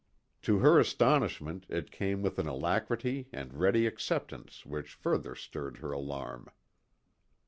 To her astonishment it came with an alacrity and ready acceptance which further stirred her alarm.